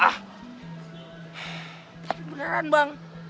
tapi beneran bang